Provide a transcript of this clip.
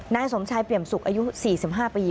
นายสมชายเปี่ยมสุขอายุ๔๕ปี